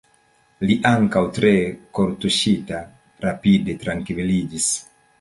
Li, ankaŭ tre kortuŝita, rapide trankviliĝis.